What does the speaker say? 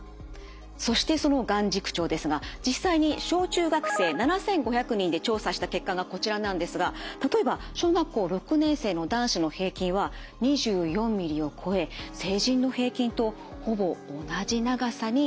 そしてその眼軸長ですが実際に小中学生７，５００人で調査した結果がこちらなんですが例えば小学校６年生の男子の平均は２４ミリを超え成人の平均とほぼ同じ長さになっていました。